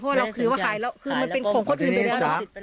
เพราะเราถือว่าขายแล้วคือมันเป็นของคนอื่นไปแล้วสิ